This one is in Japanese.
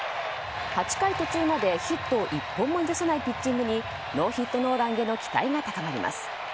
８回途中まで、ヒットを１本も許さないピッチングにノーヒットノーランへの期待が高まります。